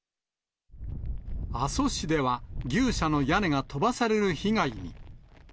阿蘇市では牛舎の屋根が飛ばされる被害に。